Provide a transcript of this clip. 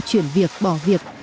chuyển việc bỏ việc